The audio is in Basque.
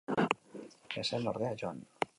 Ez zen, ordea, joan.